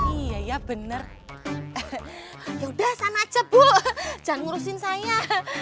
iya iya bener ya udah sana aja bu jangan ngurusin saya